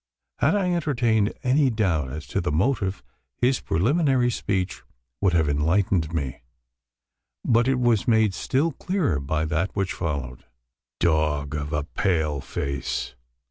Had I entertained any doubt as to the motive, his preliminary speech would have enlightened me; but it was made still clearer by that which followed. "Dog of a pale face!"